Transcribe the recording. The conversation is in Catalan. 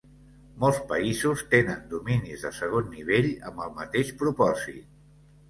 Molts països tenen dominis de segon nivell amb el mateix propòsit.